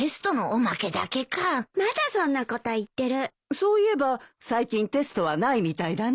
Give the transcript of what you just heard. そういえば最近テストはないみたいだね。